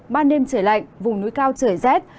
ban đêm trời lạnh vùng núi cao trời rét